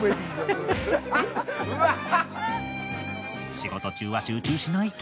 仕事中は集中しないと。